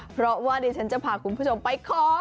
เพราะว่าดิฉันจะพาคุณผู้ชมไปขอ